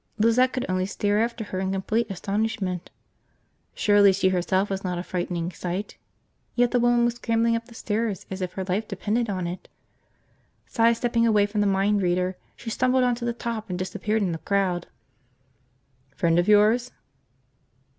Lizette could only stare after her in complete astonishment. Surely she herself was not a frightening sight, yet the woman was scrambling up the stairs as if her life depended on it. Sidestepping away from the mind reader, she stumbled on to the top and disappeared in the crowd. "Friend of yours?"